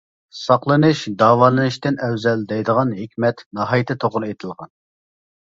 «ساقلىنىش داۋالىنىشتىن ئەۋزەل» دەيدىغان ھېكمەت ناھايىتى توغرا ئېيتىلغان.